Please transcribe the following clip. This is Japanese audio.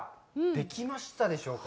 できましたでしょうか？